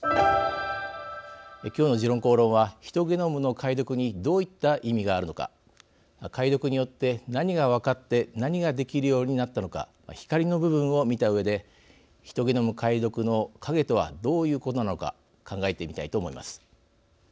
今日の「時論公論」はヒトゲノムの解読にどういった意味があるのか解読によって、何が分かって何ができるようになったのか光の部分を見たうえでヒトゲノム解読の影とはどういうことなのか考えてみたいと思います。